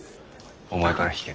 お前から引け。